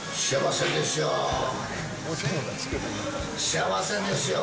幸せですよ。